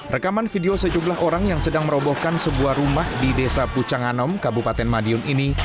rekaman video sejumlah orang yang sedang merobohkan sebuah rumah di desa pucanganom kabupaten madiun ini